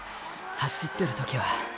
走ってる時は――